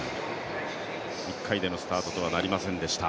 １回でのスタートとはなりませんでした。